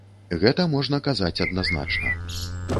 Гэта можна казаць адназначна.